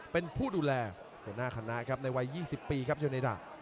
เป็นผู้ดูแลหัวหน้าคณะครับในวัย๒๐ปีครับโยเนดะ